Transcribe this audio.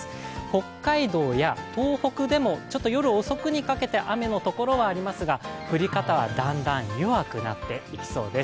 北海道や東北でもちょっと夜遅くにかけて雨の所はありますが降り方はだんだん弱くなっていきそうです。